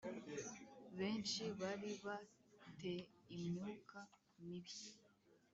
benshi bari ba te imyuka mibi